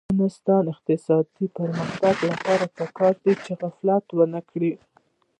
د افغانستان د اقتصادي پرمختګ لپاره پکار ده چې غفلت ونکړو.